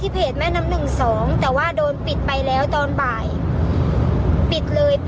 เพราะว่า๑๐แฮงมากเลย